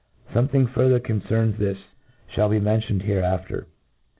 Something further concerning this fliall be mentioned hereafter.